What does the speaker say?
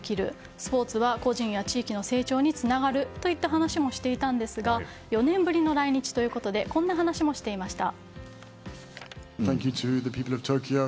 スポーツは個人や地域の成長につながるといった話もしていたんですが４年ぶりの来日ということでこんな話もしていました。